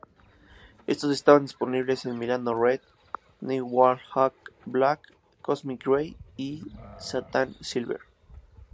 Estos estaban disponibles en Milano Red, Nighthawk Black, Cosmic Grey y Satin Silver.